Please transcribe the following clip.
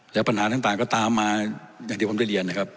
แล้วปัญหาต่างก็ตามมาอย่างที่ผมได้เรียนนะครับ